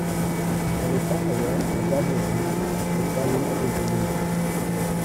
Elle est par ailleurs à d'Abbeville, de Calais et de Lille.